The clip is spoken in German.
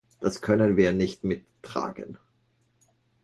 Das können wir nicht mittragen.